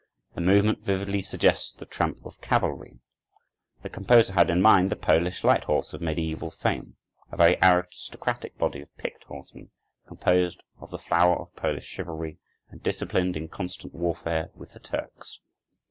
The movement vividly suggests the tramp of cavalry. The composer had in mind the Polish light horse of medieval fame, a very aristocratic body of picked horsemen, composed of the flower of Polish chivalry and disciplined in constant warfare with the Turks.